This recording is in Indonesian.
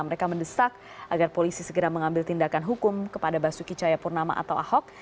mereka mendesak agar polisi segera mengambil tindakan hukum kepada basuki cahayapurnama atau ahok